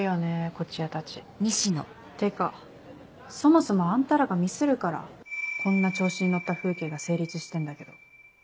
東風谷たち。ってかそもそもあんたらがミスるからこんな調子に乗った風景が成立してんだけど。